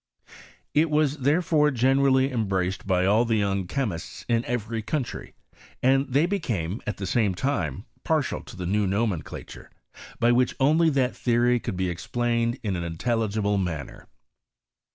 It was therefore gene rally embraced by all the young chemists in every country; and they became, at the same time, patti^ to the new nomenclature, by which only that theory could be explained in an intelligible manner.